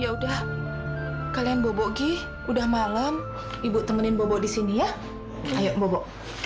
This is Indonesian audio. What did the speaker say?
ya udah kalian bobo g udah malam ibu temenin bobo di sini ya ayo